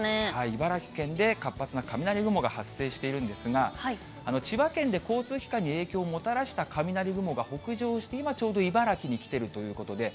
茨城県で活発な雷雲が発生しているんですが、千葉県で交通機関に影響をもたらした雷雲が北上して、今ちょうど茨城に来ているということで、